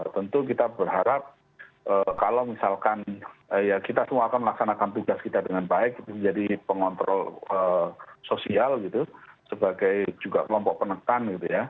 tentu kita berharap kalau misalkan ya kita semua akan melaksanakan tugas kita dengan baik menjadi pengontrol sosial gitu sebagai juga kelompok penekan gitu ya